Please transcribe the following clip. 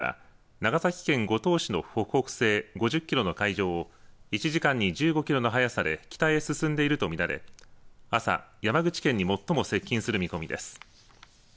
気象台によりますと、台風６号は午前２時には長崎県五島市の北北西５０キロの海上を１時間に１５キロの速さで北へ進んでいると見られ朝、山口県に最も接近する見込みです。